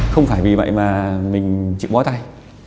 không phải vì vậy mà mình chịu bó tay